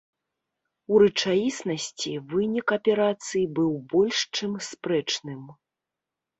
У рэчаіснасці вынік аперацыі быў больш чым спрэчным.